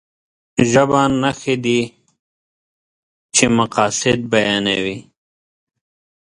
ژبه نښې دي چې مقاصد بيانوي.